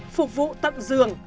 phục vụ tận giường